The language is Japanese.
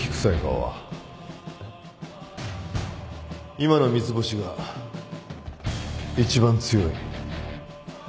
今の三ツ星が一番強い。